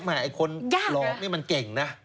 ไอ้คนหลอกนี่มันเก่งนะ